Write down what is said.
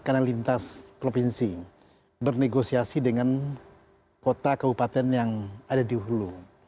karena lintas provinsi bernegosiasi dengan kota kabupaten yang ada di hulu